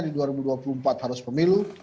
di dua ribu dua puluh empat harus pemilu